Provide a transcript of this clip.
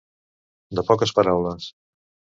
De poques paraules.